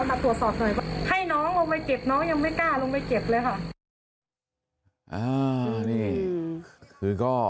อ้าวนี่คือก็